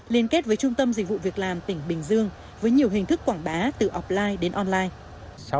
liên kết với trung tâm dịch vụ việc làm tỉnh bình dương với nhiều hình thức quảng bá từ offline đến online